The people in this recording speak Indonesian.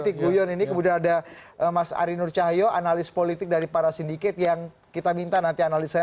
kemudian ada mas arie nur cahayu analis politik dari para sindiket yang kita minta nanti analis saya